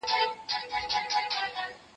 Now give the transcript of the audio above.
پر خپل اوښ به دې بار سپک سي ښه به ځغلي